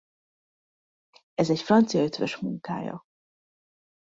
Ez egy francia ötvös munkája.